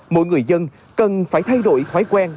mỗi người dân cần phải thay đổi thói quen